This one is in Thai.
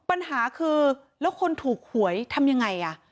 ปัญหาคือแล้วคนถูกหวยทำยังไงอ่ะ